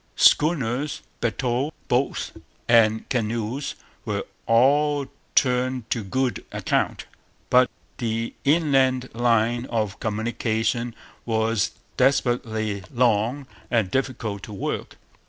Schooners, bateaux, boats, and canoes were all turned to good account. But the inland line of communications was desperately long and difficult to work.